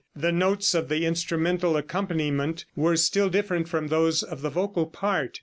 The notes of the instrumental accompaniment were still different from those of the vocal part.